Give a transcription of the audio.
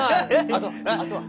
あとはあとは？